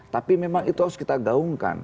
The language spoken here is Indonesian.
tapi memang itu harus kita gaungkan